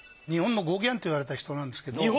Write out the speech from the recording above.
日本のゴーギャンって言われた人なんですけど。